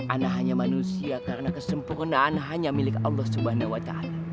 anak hanya manusia karena kesempurnaan hanya milik allah swt